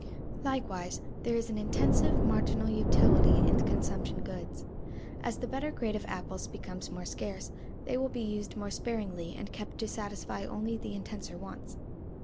Likewise, there is an intensive marginal utility in consumption goods. As the better grade of apples becomes more scarce, they will be used more sparingly and kept to satisfy only the intenser wants.